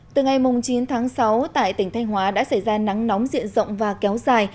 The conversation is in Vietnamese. từ ngày chín tháng sáu tại tỉnh thanh hóa đã xảy ra nắng nóng diện rộng và kéo dài